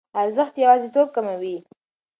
ارزښت یوازیتوب کموي.